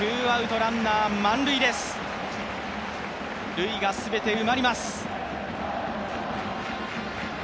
塁が全て埋まります。